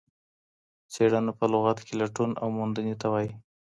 څېړنه په لغت کې لټون او موندنې ته وايي.